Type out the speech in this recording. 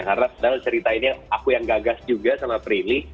karena dalam cerita ini aku yang gagas juga sama prilly